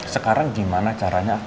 sekarang gimana caranya aku